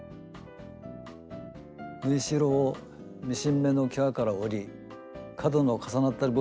縫いしろをミシン目のきわから折り角の重なった部分はカットします。